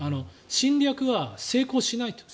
侵略は成功しないと。